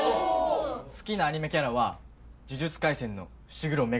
好きなアニメキャラは「呪術廻戦」の伏黒恵